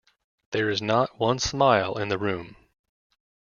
There is not one smile in the room.